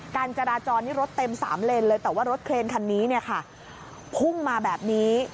การจราจรนี่รถเต็ม๓เลนเลยแต่ว่ารถเครนคันนี้เนี่ยค่ะพุ่งมาแบบนี้